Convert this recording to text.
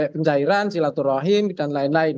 pencairan silaturahim dan lain lain